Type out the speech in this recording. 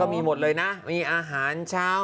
มีหมดเลยนะมีอาหารเช้า